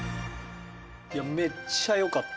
いやめっちゃよかった。